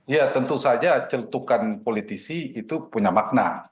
ya tentu saja celetukan politisi itu punya makna